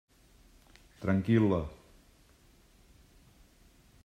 Tranquil·la.